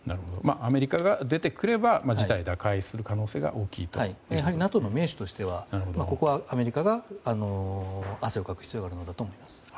アメリカが出てくれば事態が打開する可能性がＮＡＴＯの盟主としてはここはアメリカが汗をかく必要があると思います。